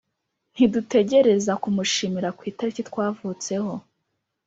Ntidutegereza kumushimira ku itariki twavutseho